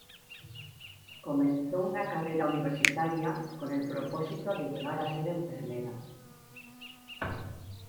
Comenzó una carrera universitaria con el propósito de llegar a ser enfermera.